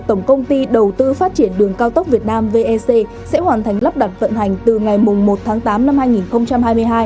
tổng công ty đầu tư phát triển đường cao tốc việt nam vec sẽ hoàn thành lắp đặt vận hành từ ngày một tháng tám năm hai nghìn hai mươi hai